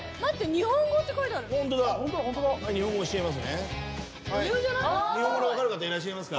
日本語押しちゃいますね。